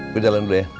gue jalan dulu ya